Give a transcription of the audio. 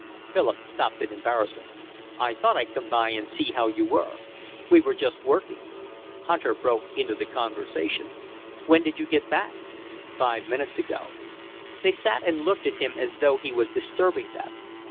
Philip stopped in embarrassment. "I thought I'd come in and see how you were." "We were just working." Hunter broke into the conversation. "When did you get back?" "Five minutes ago." They sat and looked at him as though he was disturbing them.